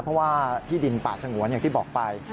เพราะว่าที่ดินป่าสงวนอย่างที่บอกไป